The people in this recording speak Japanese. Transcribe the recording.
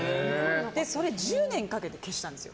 それ、１０年かけて消したんです。